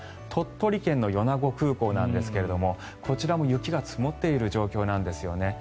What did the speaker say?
鳥取県の米子空港なんですがこちらも雪が積もっている状況なんですよね。